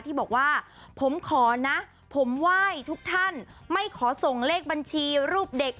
ที่บอกว่าผมขอนะผมไหว้ทุกท่านไม่ขอส่งเลขบัญชีรูปเด็ก